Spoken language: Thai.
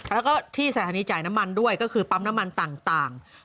แล้วก็ที่สถานีจ่ายน้ำมันด้วยก็คือปั๊มน้ำมันต่าง